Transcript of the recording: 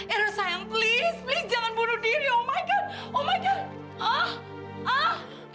era sayang please please jangan bunuh diri oh my god oh my god